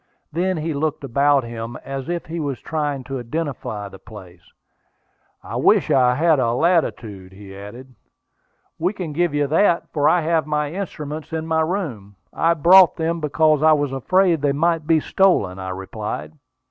Then he looked about him, as if he was trying to identify the place. "I wish I had the latitude," he added. "We can give you that, for I have my instruments in my room. I brought them because I was afraid they might be stolen," I replied.